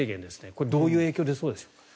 これ、どういう影響が出そうでしょうか。